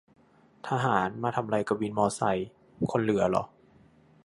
ทหารมาทำไรกับวินมอไซ ? คนเหลือหรอ